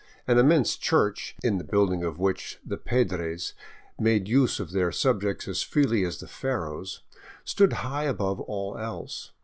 An im mense church, in the building of which the Pedres made use of their subjects as freely as the Pharaohs, stood high above all else.